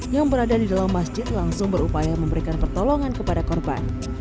yang berada di dalam masjid langsung berupaya memberikan pertolongan kepada korban